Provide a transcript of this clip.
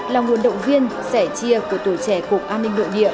là nguồn động viên sẻ chia của tuổi trẻ cục an ninh nội địa